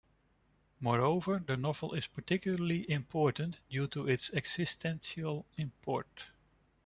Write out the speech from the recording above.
Moreover, the novel is particularly important due to its existential import.